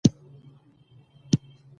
د مور او پلار دعاګانې واخلئ.